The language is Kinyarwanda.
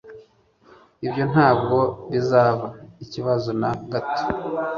Ibyo ntabwo bizaba ikibazo na gato.